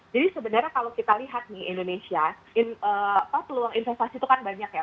sebenarnya kalau kita lihat nih indonesia peluang investasi itu kan banyak ya